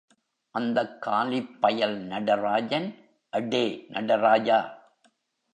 அந்தக் காலிப்பயல் நடராஜன் அடே நடராஜா!